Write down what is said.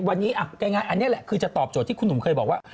วันนี้ง่ายอันนี้แหละคือจะตอบโจทย์ที่คุณหนุ่มเคยบอกว่า